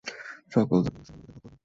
সকল ধর্মের মানুষ সমান অধিকার ভোগ করবে।